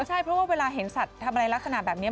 ใช่เพราะเวลาเห็นสัตว์ละสนะแบบนี้